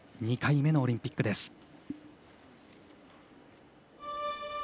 ２回目のオリンピックです。